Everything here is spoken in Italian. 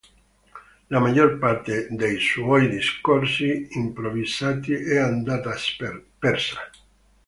La maggior parte dei suoi discorsi improvvisati è andata persa.